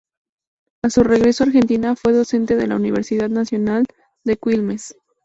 A su regreso a Argentina fue docente de la Universidad Nacional de Quilmes.